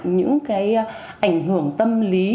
những cái ảnh hưởng tâm lý